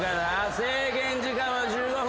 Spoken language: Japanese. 制限時間は１５分。